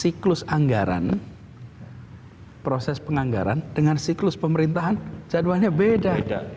siklus anggaran proses penganggaran dengan siklus pemerintahan jadwalnya beda